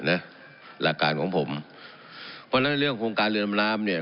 หลักการของผมเพราะฉะนั้นเรื่องโครงการเรือดำน้ำเนี่ย